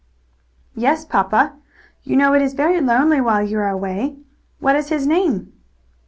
"Yes, papa. You know it is very lonely while you are away. What is his name?"